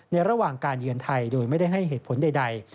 ระหว่างการเยือนไทยโดยไม่ได้ให้เหตุผลใด